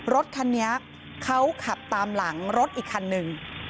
รถคันนี้เขาขับตามหลังรถอีกคันหนึ่ง